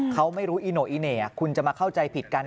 เขาไม่รู้อีโน่อีเหน่คุณจะมาเข้าใจผิดกัน